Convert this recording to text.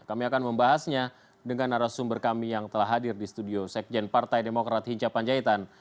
kami akan membahasnya dengan narasumber kami yang telah hadir di studio sekjen partai demokrat hinca panjaitan